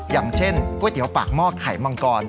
อย่างเช่นก๋วยเตี๋ยวปากหม้อไข่มังกร